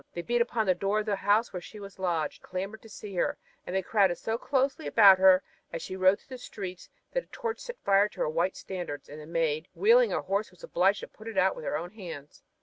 They beat upon the door of the house where she was lodged and clamored to see her, and they crowded so closely about her as she rode through the streets that a torch set fire to her white standard, and the Maid, wheeling her horse, was obliged to put it out with her own hands.